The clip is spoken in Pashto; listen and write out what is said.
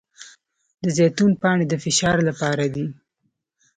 د زیتون پاڼې د فشار لپاره دي.